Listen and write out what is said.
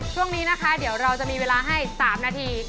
ช่วงนี้นะคะเดี๋ยวเราจะมีเวลาให้๓นาที